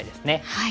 はい。